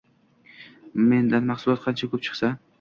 Mendan mahsulot qancha ko‘p chiqsa